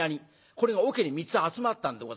これが桶に３つ集まったんでございます。